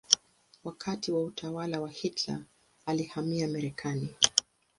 Wakati wa utawala wa Hitler alihamia Marekani.